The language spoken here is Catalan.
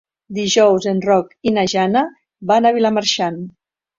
Dijous en Roc i na Jana van a Vilamarxant.